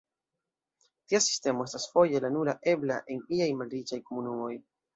Tia sistemo estas foje la nura ebla en iaj malriĉaj komunumoj.